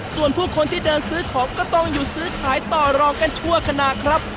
ส่วนผู้คนที่เดินซื้อของก็ต้องหยุดซื้อขายต่อรองกันชั่วขณะครับ